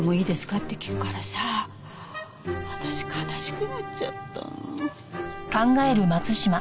って聞くからさ私悲しくなっちゃった。